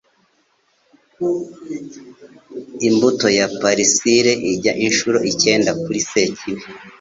Imbuto ya parisile ijya inshuro icyenda kuri Sekibi